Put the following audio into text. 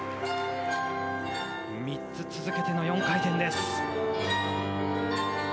３つ続けての４回転です。